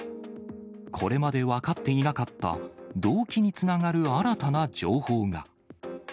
これまで分かっていなかった動機につながる新たな情報が。